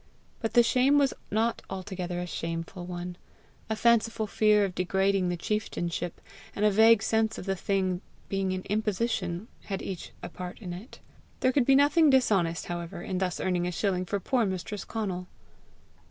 But the shame was not altogether a shameful one; a fanciful fear of degrading the chieftainship, and a vague sense of the thing being an imposition, had each a part in it. There could be nothing dishonest, however, in thus earning a shilling for poor mistress Conal!